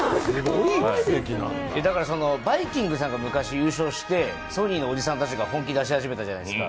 だから、バイきんぐさんが昔、優勝してソニーさんが本気を出し始めたじゃないですか。